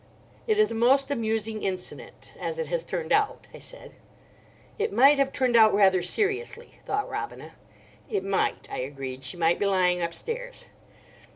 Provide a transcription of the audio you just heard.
"It is a most amusing incident—as it has turned out," I said. "It might have turned out rather seriously," thought Robina. "It might," I agreed: "she might be lying upstairs."